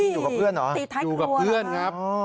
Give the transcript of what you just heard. อยู่กับเพื่อนเหรออยู่กับเพื่อนครับ